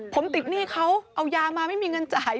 ผมติดหนี้เขาเอายามาไม่มีเงินจ่าย